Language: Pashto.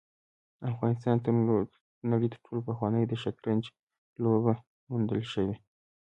افغانستان د نړۍ تر ټولو پخوانی د شطرنج لوبه موندل شوې